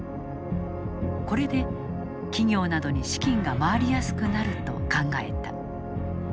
これで企業などに資金が回りやすくなると考えた。